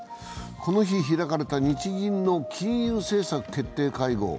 この日、開かれた日銀の金融政策決定会合。